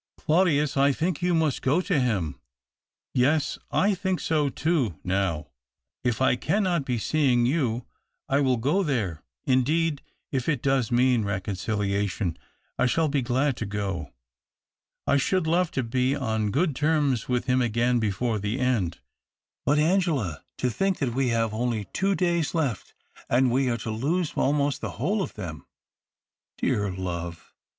" Claudius, I think you must go to him." "Yes, I think so too, now. If I cannot be seeing you, I will go there — indeed, if it does mean reconciliation, I shall be glad to go. I should love to be on good terms with him again before the end. But, Angela, to think that we have only two days left and THE OCTAVE OF CLAUDIUS. '271 that we are to lose almost the whole of them !"" Dear love